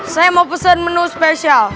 saya mau pesen menu spesial